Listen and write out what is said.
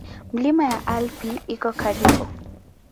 Milima ya Alpi iko karibu.